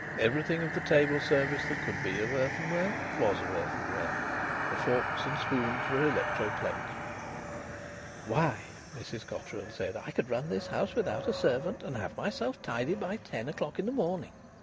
Everything of the table service that could be of earthenware was of earthenware. The forks and spoons were electro plate. "Why," Mrs Cotterill said, "I could run this house without a servant and have myself tidy by ten o'clock in a morning."